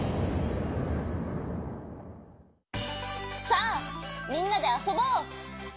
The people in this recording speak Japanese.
さあみんなであそぼう！